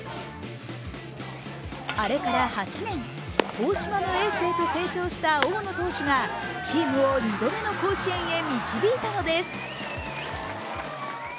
あれから８年、大島のエースへと成長した大野投手がチームを２度目の甲子園へ導いたのです。